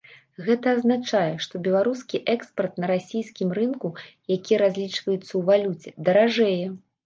Гэта азначае, што беларускі экспарт на расійскім рынку, які разлічваецца ў валюце, даражэе.